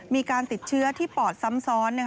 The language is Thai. มีการติดเชื้อที่ปอดซ้ำซ้อน